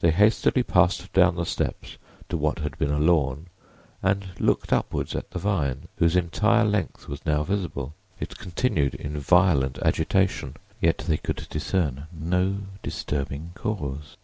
They hastily passed down the steps to what had been a lawn and looked upward at the vine, whose entire length was now visible. It continued in violent agitation, yet they could discern no disturbing cause.